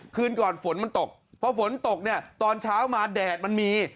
คืนก่อนฝนมันตกเพราะฝนตกเนี่ยตอนเช้ามาแดดมันมี